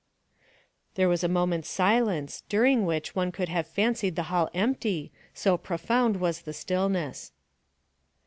There was a moment's silence, during which one could have fancied the hall empty, so profound was the stillness.